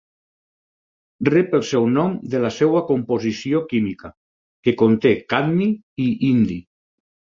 Rep el seu nom de la seva composició química, que conté cadmi i indi.